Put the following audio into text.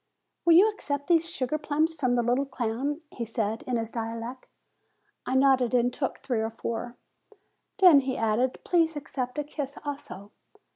"Will you accept these sugar plums from the little clown?" he said, in his dialect. I nodded, and took three or four. "Then," he added, "please accept a kiss also."